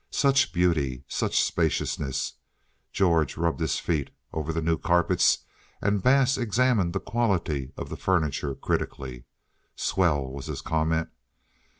Such beauty, such spaciousness! George rubbed his feet over the new carpets and Bass examined the quality of the furniture critically. "Swell," was his comment.